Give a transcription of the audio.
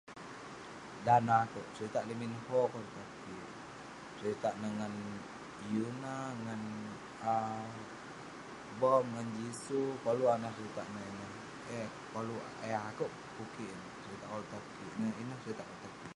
Dan neh akouk seritak Lee Min Ho koluk tan kik. Seritak neh ngan Yoona, ngan um Bom, ngan Jisoo. Koluk akouk nat seritak nah ineh. Eh koluk- Yah akouk kukik ineh, seritak koluk tan kik. Ineh seritak koluk tan kik.